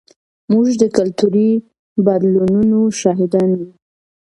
موږ د کلتوري بدلونونو شاهدان یو.